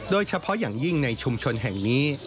โดยเฉพาะอย่างยิ่งในชุมชนแห่งนี้